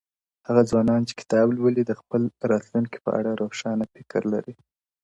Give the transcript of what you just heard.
• هغه ځوانان چي کتاب لولي د خپل راتلونکي په اړه روښانه فکر لري ,